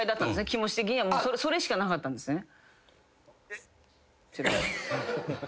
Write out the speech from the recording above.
気持ち的にはそれしかなかったんですね？